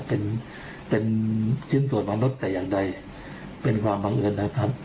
เป็นเป็นชิ้นส่วนมนุษย์แต่อย่างใดเป็นความบังเอิญนะครับ